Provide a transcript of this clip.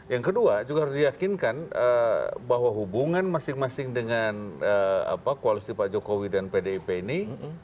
yang kedua juga harus diyakinkan bahwa hubungan masing masing dengan koalisi pak jokowi dan pdip ini